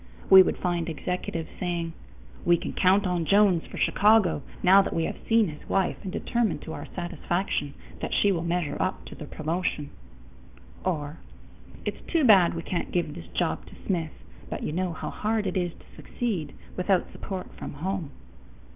We would find executives saying, "We can count on Jones for Chicago now that we have seen his wife and determined to our satisfaction that she will measure up to the promotion" or "It's too bad we can't give this job to Smith, but you know how hard it is to succeed without support from home."